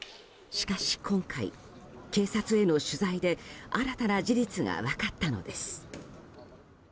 しかし今回、警察への取材で新たな事実が分かったのです。